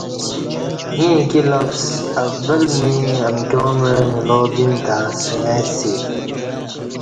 ییں اکی لفظ اول می امکیاں مع مِلا بِیم تہ سنگئ س